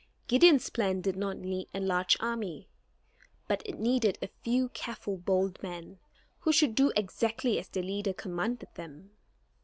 Gideon's plan did not need a large army; but it needed a few careful, bold men, who should do exactly as their leader commanded them.